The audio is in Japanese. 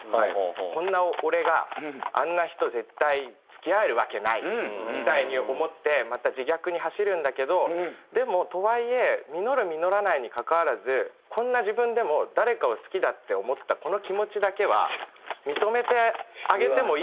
こんな俺があんな人絶対付き合えるわけないみたいに思ってまた自虐に走るんだけどでもとはいえ実る実らないにかかわらずこんな自分でも誰かを好きだって思ったこの気持ちだけは認めてあげてもいいよな。